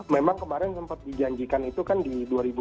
memang kemarin sempat dijanjikan itu kan di dua ribu dua puluh